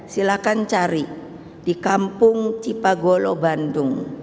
silahkan cari di kampung cipagolo bandung